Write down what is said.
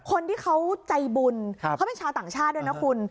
คนที่เขาใจบุญเขาเป็นชาวต่างชาติด้วยนะคุณ